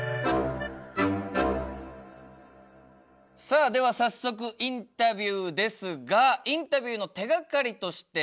さあでは早速インタビューですがインタビューの手がかりとして皆さんにはですね